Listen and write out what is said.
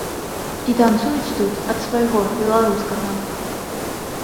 І танцуюць тут ад свайго, беларускага.